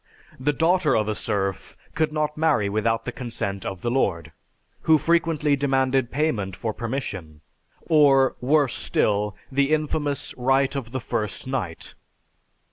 The daughter of a serf could not marry without the consent of the lord, who frequently demanded payment for permission; or, worse still, the infamous "Right of the First Night."